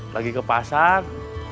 lagi ke pasar